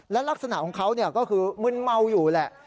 และลักษณะของเขาก็คือมึนเมาอยู่แหละ